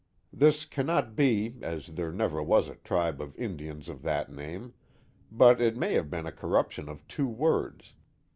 This cannot be, as there never was a tribe of Indians of that name, but it may have been a corruption of two words.